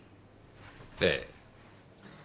ええ。